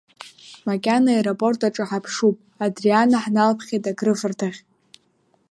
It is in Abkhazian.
Макьана аеропорт аҿы ҳаԥшуп, Адриана ҳналԥхьеит акрыфарҭахь.